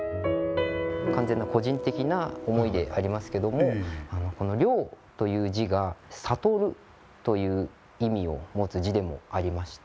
完全な個人的な思いでありますけども了という字が悟るという意味を持つ字でもありまして。